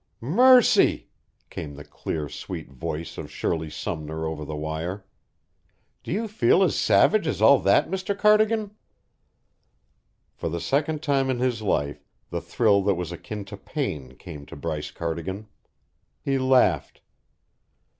"Mercy!" came the clear, sweet voice of Shirley Sumner over the wire. "Do you feel as savage as all that, Mr. Cardigan?" For the second time in his life the thrill that was akin to pain came to Bryce Cardigan. He laughed.